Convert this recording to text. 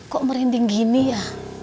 kok merinding gini ya